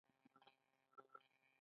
د دې بیرغ زموږ کفن دی